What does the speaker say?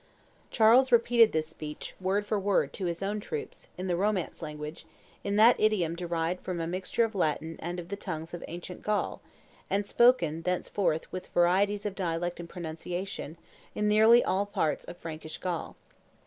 Charles repeated this speech, word for word, to his own troops, in the Romance language, in that idiom derived from a mixture of Latin and of the tongues of ancient Gaul, and spoken, thenceforth, with varieties of dialect and pronunciation, in nearly all parts of Frankish Gaul.